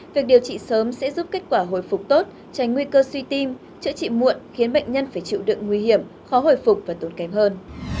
việc điều trị sớm sẽ giúp kết quả hồi phục tốt tránh nguy cơ suy tim chữa trị muộn khiến bệnh nhân phải chịu đựng nguy hiểm khó hồi phục và tốn kém hơn